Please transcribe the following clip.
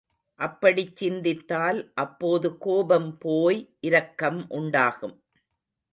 அப்படிச் சிந்தித்தால் அப்போது கோபம் போய் இரக்கம் உண்டாகும்.